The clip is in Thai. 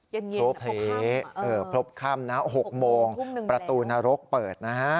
เย็นพบค่ำเออพบค่ำนะ๖โมงประตูนรกเปิดนะฮะ